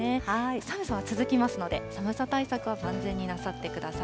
寒さは続きますので、寒さ対策を万全になさってください。